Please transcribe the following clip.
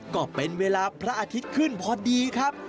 ก็เป็นเวลาพระอาทิตย์ขึ้นพอดีครับ